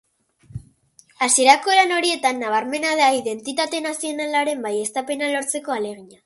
Hasierako lan horietan nabarmena da identitate nazionalaren baieztapena lortzeko ahalegina.